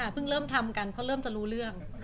เพิ่งเริ่มทำกันเพราะเริ่มจะรู้เรื่อง